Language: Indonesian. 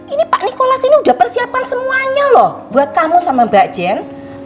ini pak nikolas ini udah persiapkan semuanya loh buat kamu sama mbak jen